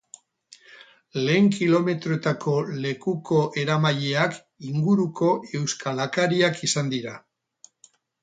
Lehen kilometroetako lekuko eramaileak inguruko euskalakariak izan dira.